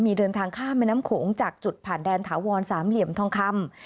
มีเดินทางข้ามแม่น้ำโขงจากจุดผ่านแดนถาวรสามเหลี่ยมทองคำ